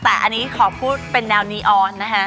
แต่อันนี้ขอพูดเป็นแนวนีออนนะคะ